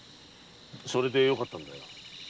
それでよかったんだ。